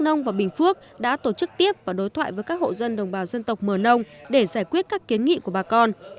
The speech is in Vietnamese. nông và bình phước đã tổ chức tiếp và đối thoại với các hộ dân đồng bào dân tộc mờ nông để giải quyết các kiến nghị của bà con